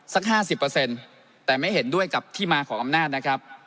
สักห้าสิบเปอร์เซ็นต์แต่ไม่เห็นด้วยกับที่มาของอำนาจนะครับ